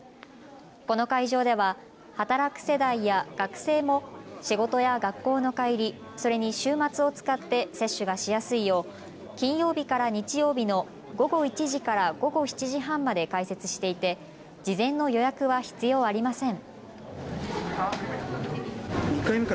この会場では働く世代や学生も仕事や学校の帰り、それに週末を使って接種がしやすいよう金曜日から日曜日の午後１時から午後７時半まで開設していて事前の予約は必要ありません。